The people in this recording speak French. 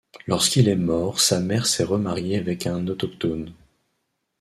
Lorsqu’il est mort sa mère s’est remariée avec un autochtone.